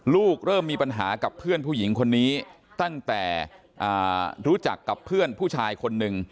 เริ่มมีปัญหากับเพื่อนผู้หญิงคนนี้ตั้งแต่รู้จักกับเพื่อนผู้ชายคนหนึ่ง